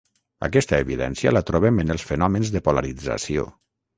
Aquesta evidència la trobem en els fenòmens de polarització.